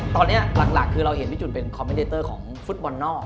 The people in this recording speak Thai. ตอนนี้หลักคือเราเห็นพี่จุนเป็นคอมพิวเตอร์ของฟุตบอลนอก